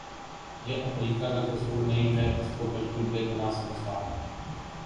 یہ امریکہ کا کسور نہیں میں اس کو بالکل بے گناہ سمجھتا ہوں